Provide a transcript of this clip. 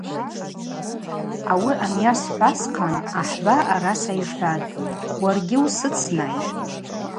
Ауи анйайхӏв асхъан ахӏба араса йхӏватӏ: – Уаргьи усыцнай.